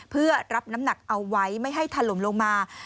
เพื่อรับน้ำหนักเอาไว้ไม่ให้ถล่มลงมา